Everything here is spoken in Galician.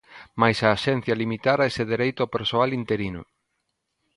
Mais a axencia limitara ese dereito ao persoal interino.